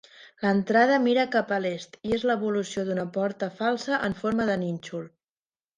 L'entrada mira cap a l'est i és l'evolució d'una porta falsa en forma de nínxol.